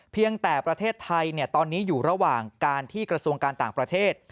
เพียงแต่ประเทศไทยตอนนี้อยู่ระหว่างการที่กระทรวงการต่างประเทศ